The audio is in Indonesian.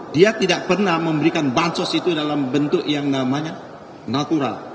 dia tidak pernah memberikan bansos itu dalam bentuk yang namanya natural